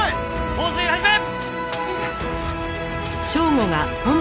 放水始め！